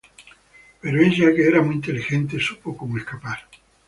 Pero ella, que era muy inteligente, supo cómo escapar.